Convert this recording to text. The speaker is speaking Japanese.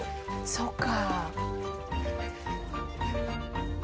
そっか。